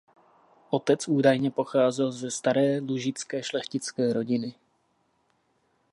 Otec údajně pocházel ze staré lužické šlechtické rodiny.